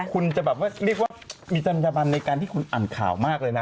คุณจะแบบว่าเรียกว่ามีจัญญบันในการที่คุณอ่านข่าวมากเลยนะ